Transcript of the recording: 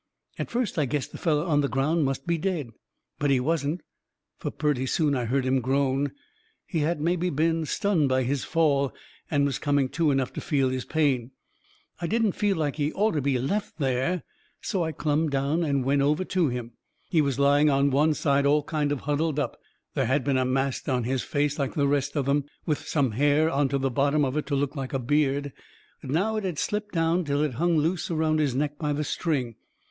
At first I guessed the feller on the ground must be dead. But he wasn't, fur purty soon I hearn him groan. He had mebby been stunned by his fall, and was coming to enough to feel his pain. I didn't feel like he orter be left there. So I clumb down and went over to him. He was lying on one side all kind of huddled up. There had been a mask on his face, like the rest of them, with some hair onto the bottom of it to look like a beard. But now it had slipped down till it hung loose around his neck by the string.